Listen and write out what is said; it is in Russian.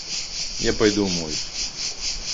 Я пойду умоюсь.